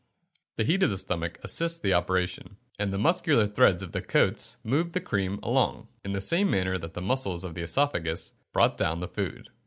The heat of the stomach assists the operation, and the muscular threads of the coats move the cream along, in the same manner that the muscles of the oesophagus brought down the food.